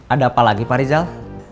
ada apa lagi pak rizal